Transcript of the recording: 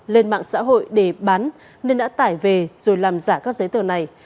lên mạng xã hội để bán nên đã tải về rồi làm giả các giấy tờ này